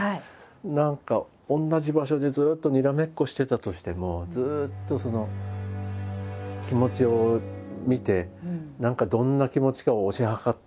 何か同じ場所でずっとにらめっこしてたとしてもずっとその気持ちを見て何かどんな気持ちかを推し量ってたり。